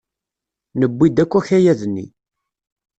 Newwi-d akk akayad-nni.